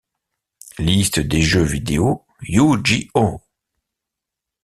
Liste des jeux vidéo Yu-Gi-Oh!